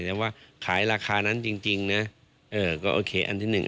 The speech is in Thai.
แต่ว่าขายราคานั้นจริงจริงนะเออก็โอเคอันที่หนึ่ง